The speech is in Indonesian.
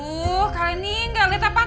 aduh kalian nih gak liat apa apa